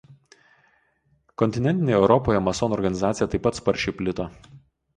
Kontinentinėje Europoje masonų organizacija taip pat sparčiai plito.